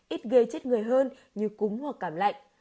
ít gây chết người hơn như cúng hoặc cảm lạnh